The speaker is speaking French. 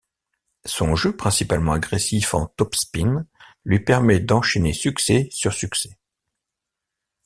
Son jeu, principalement agressif en topspin, lui permet d'enchaîner succès sur succès.